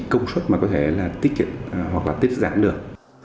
công suất mà có thể là tiết kiệm hoặc là tiết giảm được